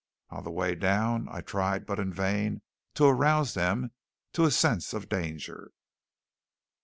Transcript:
On the way down I tried, but in vain, to arouse them to a sense of danger.